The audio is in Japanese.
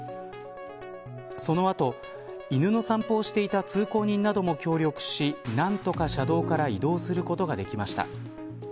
その後、犬の散歩をしていた通行人なども協力し何とか車道から移動することができました。